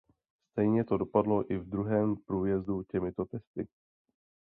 Stejně to dopadlo i v druhém průjezdu těmito testy.